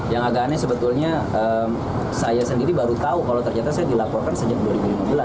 yang agak aneh sebetulnya saya sendiri baru tahu kalau ternyata saya dilaporkan sejak dua ribu lima belas